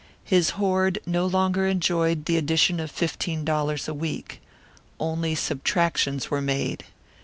His hoard no longer enjoyed the addition of fifteen dollars a week. Only subtractions were made.